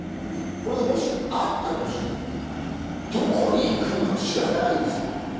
これがもしあったとして、どこに行くのか、調べないんですか？